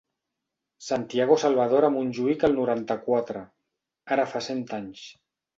Santiago Salvador a Montjuïc el noranta-quatre, ara fa cent anys.